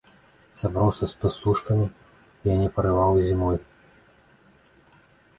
Сяброўства з пастушкамі я не парываў і зімой.